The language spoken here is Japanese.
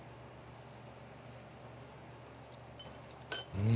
うん。